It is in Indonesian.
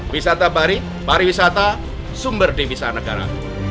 wisata bari pariwisata sumber devisa negara